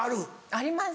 あります